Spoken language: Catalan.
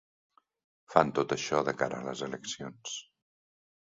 Fan tot això de cara a les eleccions.